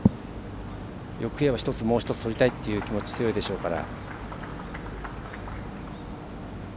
欲を言えばもう１つとりたいという気持ちが強いでしょうから。